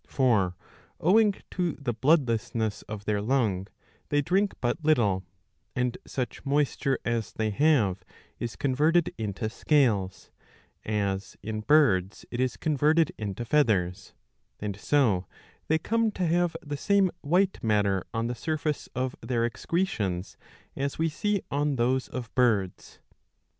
^ For, owing to the bloodlessness of their lung, they drink but little ; and such moisture as they have is converted into scales, as in birds it is converted into feathers ;^ and so they come to have the same white matter on the surface of their excretions as we see on those of birds.